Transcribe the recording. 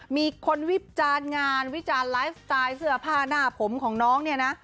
มีคนวิจารณ์งานวิจารณ์ไลฟ์สไตล์เสื้อผ้าหน้าผมของน้องเนี่ยนะ